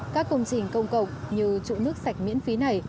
các công trình công cộng như trụ nước sạch miễn phí này